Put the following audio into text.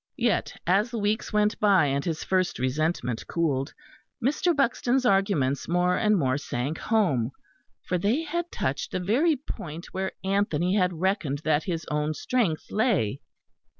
Yet as the weeks went by, and his first resentment cooled, Mr. Buxton's arguments more and more sank home, for they had touched the very point where Anthony had reckoned that his own strength lay.